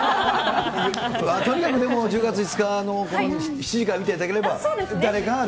とにかくでも、１０月５日の７時から見ていただければ、誰かが。